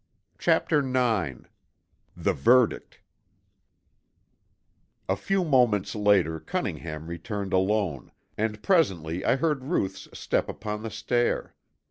CHAPTER IX THE VERDICT A few moments later Cunningham returned alone, and presently I heard Ruth's step upon the stair.